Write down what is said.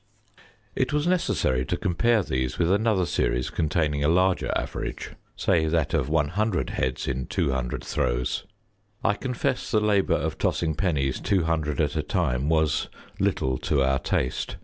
It was necessary to compare these with another series containing a larger average, say that of 100 heads in 200 throws. I confess the labour of tossing pennies two hundred at a time was little to our taste.